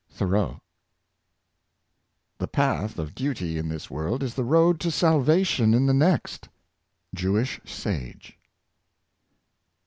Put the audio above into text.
— Thoreau. The path of duty in this world is the road to salvation in the next. — Jewish Sage.